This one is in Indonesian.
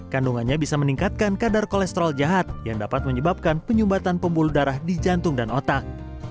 kandungannya bisa meningkatkan kadar kolesterol jahat yang dapat menyebabkan penyumbatan pembuluh darah di jantung dan otak